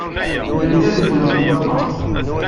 Iban kan tejjmemt-tent aṭas.